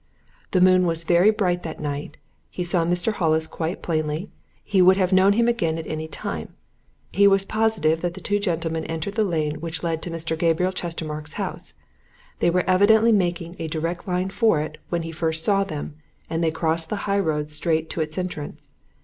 The moon was very bright that night: he saw Mr. Hollis quite plainly: he would have known him again at any time. He was positive that the two gentlemen entered the lane which led to Mr. Gabriel Chestermarke's house. They were evidently making a direct line for it when he first saw them, and they crossed the high road straight to its entrance.